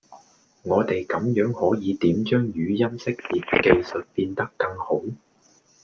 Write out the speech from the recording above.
你地咁樣可以點將語音識別技術變得更好?